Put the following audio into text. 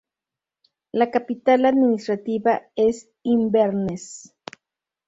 La capital administrativa es Inverness.